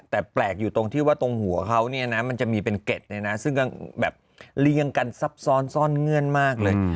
แต่แปลกอยู่ตรงที่ว่าตรงหัวเขาเนี่ยนะมันจะมีเป็นเกร็ดเนี่ยนะซึ่งก็แบบเรียงกันซับซ้อนซ่อนเงื่อนมากเลย